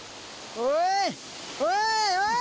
おい！